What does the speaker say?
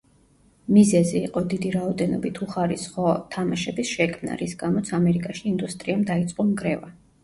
მიზეზი იყო დიდი რაოდენობით უხარისხო თამაშების შექმნა, რის გამოც ამერიკაში ინდუსტრიამ დაიწყო ნგრევა.